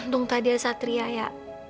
tungka dia satria ya